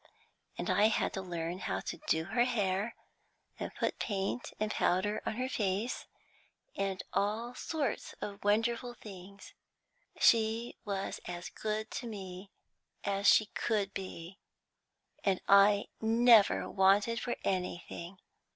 And I had to learn how to do her hair, and put paint and powder on her face, and all sorts of wonderful things. She was as good to me as she could be, and I never wanted for anything.